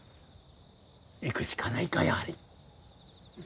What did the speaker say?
行くしかないかやはり。